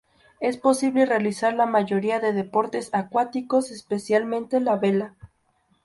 Es posible realizar la mayoría de deportes acuáticos, especialmente la vela.